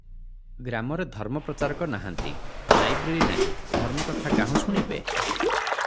ଗ୍ରାମରେ ଧର୍ମ ପ୍ରଚାରକ ନାହାନ୍ତି, ଲାଇବ୍ରେରୀ ନାହିଁ, ଧର୍ମକଥା କାହୁଁ ଶୁଣିବେ?